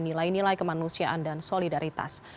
nilai nilai kemanusiaan dan solidaritas